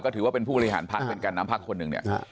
ก็ถือว่าเป็นผู้บริหารภักษณ์เป็นการนำภักคนหนึ่ง